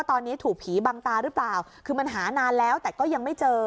ตอนนี้ถูกผีบังตาหรือเปล่าคือมันหานานแล้วแต่ก็ยังไม่เจอ